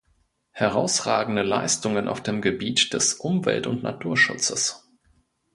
Herausragende Leistungen auf dem Gebiet des Umwelt- und Naturschutzes.